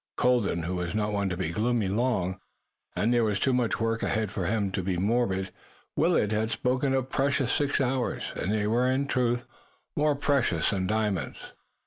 Colden was not one to be gloomy long, and there was too much work ahead for one to be morbid. Willet had spoken of the precious six hours and they were, in, truth, more precious than diamonds.